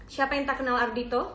siapa yang tak kenal ardhito